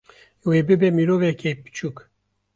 wê bibe miroveke piçûk